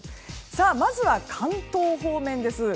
まずは関東方面です。